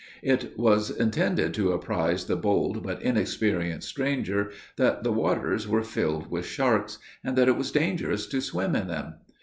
It was intended to apprise the bold but inexperienced stranger, that the waters were filled with sharks, and that it was dangerous to swim in them.